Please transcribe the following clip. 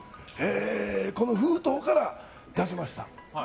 この封筒から出しました。